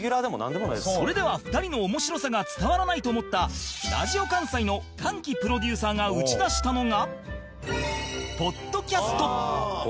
それでは２人の面白さが伝わらないと思ったラジオ関西の神吉プロデューサーが打ち出したのが